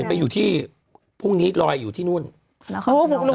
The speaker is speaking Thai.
พึ่งนี้รอยอยู่ที่นู่น